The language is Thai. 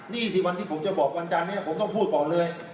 นี่สิวันที่ผมจะบอกวันจันทร์นีผมต้องพูดครับ